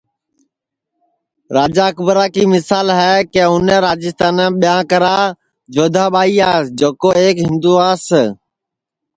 راجا اکبرا کی مسال ہے کہ اُنے راجیستانام ٻیاں کرا جودھا ٻائیاس جکو ایک ہندواس